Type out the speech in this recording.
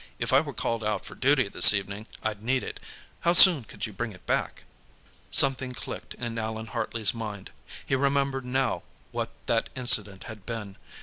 If I were called out for duty, this evening, I'd need it. How soon could you bring it back?" Something clicked in Allan Hartley's mind. He remembered, now, what that incident had been.